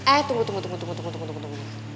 eh tunggu tunggu tunggu